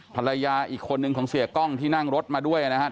ภรรยาอีกคนนึงของเสียกล้องที่นั่งรถมาด้วยนะครับ